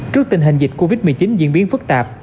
trước tình hình dịch covid một mươi chín diễn biến phức tạp